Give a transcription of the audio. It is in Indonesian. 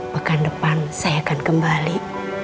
pekan depan saya akan kembali